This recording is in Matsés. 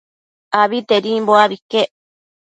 Abitedimbo abi iquec